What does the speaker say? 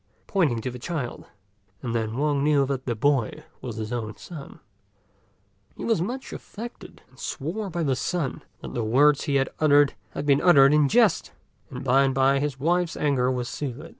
pointing to the child; and then Wang knew that the boy was his own son. He was much affected, and swore by the sun that the words he had uttered had been uttered in jest, and by and by his wife's anger was soothed.